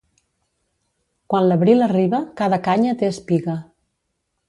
Quan l'abril arriba cada canya té espiga.